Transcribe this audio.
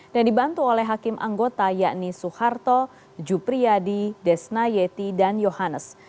dan dibantu oleh hakim anggota yakni suharto jupriyadi desna yeti dan yohanes